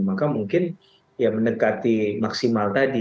maka mungkin ya mendekati maksimal tadi